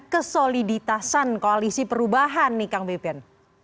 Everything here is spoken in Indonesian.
kesoliditasan koalisi perubahan nih kang pipin